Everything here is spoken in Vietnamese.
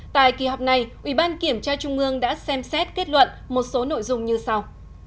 tại kỳ họp này ủy ban kiểm tra trung ương đã xem xét kết luận một số nội dung như sau